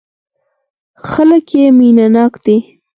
خلک يې مينه ناک دي.